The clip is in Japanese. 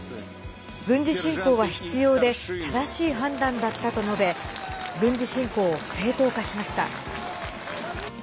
軍事侵攻は必要で正しい判断だったと述べ軍事侵攻を正当化しました。